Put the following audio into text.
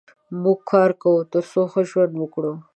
موږ کار کوو تر څو ښه ژوند وکړو.